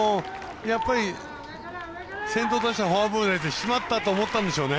やっぱり先頭打者フォアボール出してしまったと思ったでしょうね。